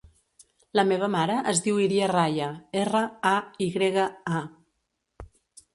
La meva mare es diu Iria Raya: erra, a, i grega, a.